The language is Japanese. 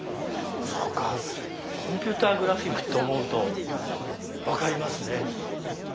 コンピューターグラフィックと思うと分かりますね。